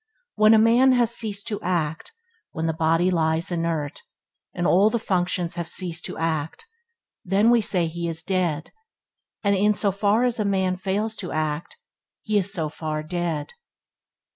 When a man has ceased to act, when the body lies inert, and all the functions have ceased to act, then we say he is dead; and in so far as a man fails to act, he is so far dead.